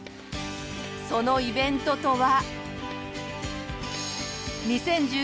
そのイベントとは。